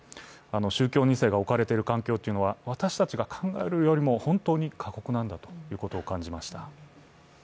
宗教２世が置かれている環境というのは私たちが考えているよりも本当に過酷なんだと感じました。